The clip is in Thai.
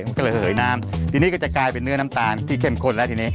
มันก็เลยเหยน้ำทีนี้ก็จะกลายเป็นเนื้อน้ำตาลที่เข้มข้นแล้วทีนี้